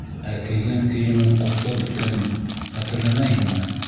Ә кейгән кейемең ҡортлап бөткәнен хәтерләмәйһеңме?